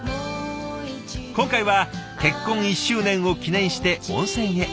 今回は結婚１周年を記念して温泉へ。